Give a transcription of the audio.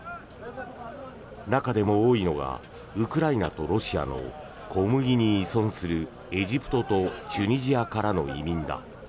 中でも多いのがウクライナとロシアの小麦に依存するエジプトとチュニジアからの移民だ。